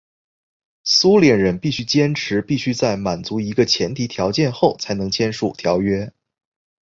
苏联人继续坚持必须在满足一个前提条件后才能签署条约。